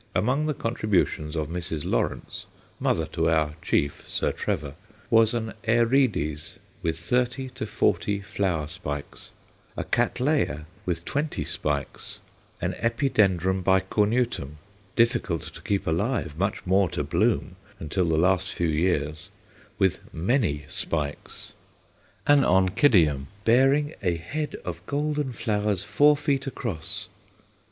Among the contributions of Mrs. Lawrence, mother to our "chief," Sir Trevor, was an Aerides with thirty to forty flower spikes; a Cattleya with twenty spikes; an Epidendrum bicornutum, difficult to keep alive, much more to bloom, until the last few years, with "many spikes;" an Oncidium, "bearing a head of golden flowers four feet across."